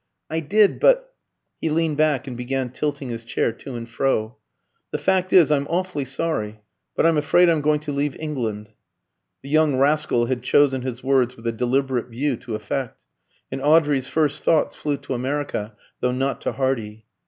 "I did, but " He leaned back and began tilting his chair to and fro. "The fact is I'm awfully sorry, but I'm afraid I'm going to leave England." The young rascal had chosen his words with a deliberate view to effect, and Audrey's first thoughts flew to America, though not to Hardy.